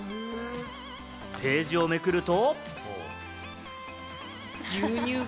ページをめくると。